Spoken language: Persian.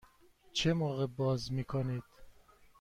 چه موقع باز می کنید؟